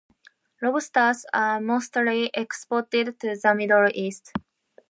Lobsters are mostly exported to the Middle East.